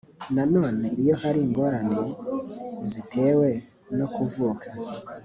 nanone iyo hari ingorane zitewe no kuvuka